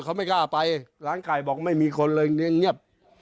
เขาไม่กล้าไปร้านไก่บอกไม่มีคนเลยเงียบ